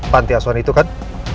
pantiasuhan itu kan